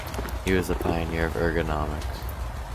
He was a pioneer of ergonomics.